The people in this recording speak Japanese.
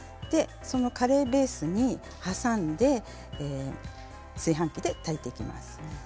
カレーベースに挟んで炊飯器で炊いていきます。